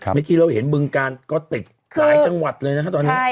เมื่อกี้เราเห็นบึงการก็ติดหลายจังหวัดเลยนะฮะตอนนี้